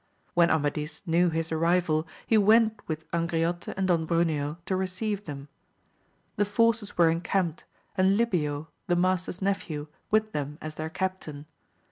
When Amadis knew his arrival he went with Angriote and Don Bruneo to receive them ; the forces were encamped, and libeo the master's nephew with them as their captain.